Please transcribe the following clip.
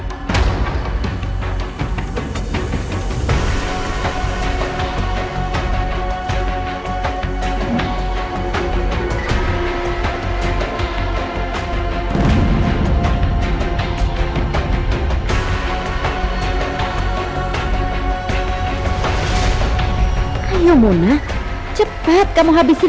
saya harus pastikan dulu